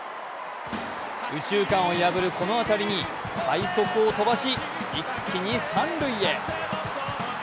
右中間を破るこの当たりに快足を飛ばし一気に三塁へ。